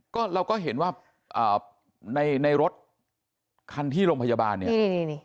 ก็เราก็เห็นว่าในในรถคันที่โรงพยาบาลเนี่ย